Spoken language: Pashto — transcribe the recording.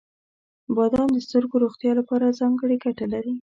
• بادام د سترګو روغتیا لپاره ځانګړې ګټه لري.